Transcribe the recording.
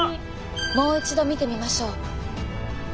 もう一度見てみましょう。